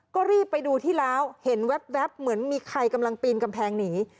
ก็รีบไปดูที่ล้าวเห็นแว๊บเหมือนมีใครกำลังปีนกำแพงหนี